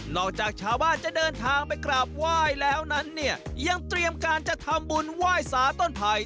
จากชาวบ้านจะเดินทางไปกราบไหว้แล้วนั้นเนี่ยยังเตรียมการจะทำบุญไหว้สาต้นไผ่